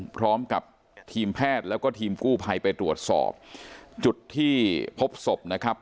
พร้อมกับทีมแพทย์แล้วก็ทีมกู้ภัยไปตรวจสอบจุดที่พบศพนะครับ